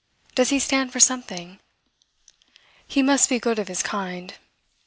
does he stand for something? He must be good of his kind.